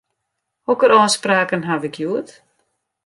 Hokker ôfspraken haw ik hjoed?